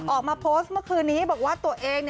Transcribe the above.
ออกมาโพสต์เมื่อคืนนี้บอกว่าตัวเอง